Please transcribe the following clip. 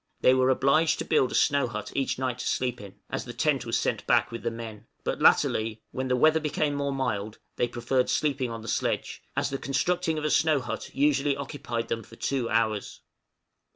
They were obliged to build a snow hut each night to sleep in, as the tent was sent back with the men; but latterly, when the weather became more mild, they preferred sleeping on the sledge, as the constructing of a snow hut usually occupied them for two hours.